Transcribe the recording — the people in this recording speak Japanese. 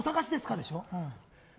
でしょ。